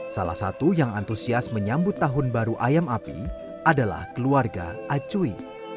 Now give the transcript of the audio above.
salah satu yang antusias menyambut tahun baru ayam api adalah keluarga acuy